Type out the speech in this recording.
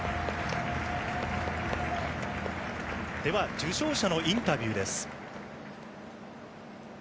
受賞者のインタビューです。